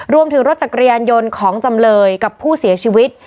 รวมถึงรถจักรยานยนต์ของจำเลยกับผู้เสียชีวิต